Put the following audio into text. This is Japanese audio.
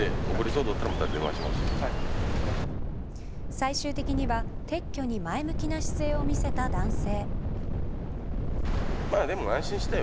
最終的には、撤去に前向きな姿勢を見せた男性。